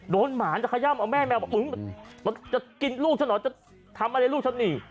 หมาจะขย่ำเอาแม่แมวบอกมึงจะกินลูกฉันเหรอจะทำอะไรลูกฉันนี่